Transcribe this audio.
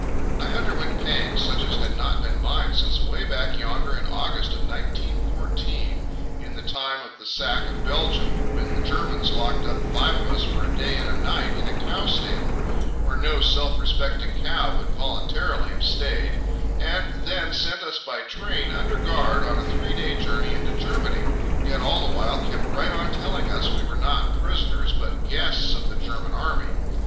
I underwent pangs such as had not been mine since away back yonder in August of 1914, in the time of the sack of Belgium, when the Germans locked up five of us for a day and a night in a cow stable where no self respecting cow would voluntarily have stayed, and, then sent us by train under guard on a three day journey into Germany, yet all the while kept right on telling us we were not prisoners but guests of the German Army.